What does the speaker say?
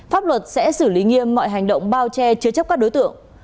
pháp luật sẽ xử lý nghiêm mọi hành động bao che chứa chấp các đối tượng